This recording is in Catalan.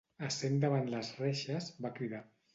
Essent davant les reixes, va cridar: